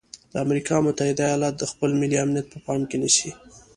د امریکا متحده ایالات د خپل ملي امنیت په پام کې نیسي.